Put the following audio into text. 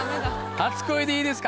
初恋でいいですか？